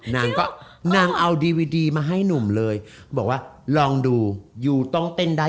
นางก็นางเอาดีวิดีมาให้หนุ่มเลยบอกว่าลองดูยูต้องเต้นได้